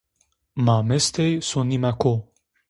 Ma mestê sonimê ko.